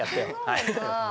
はい。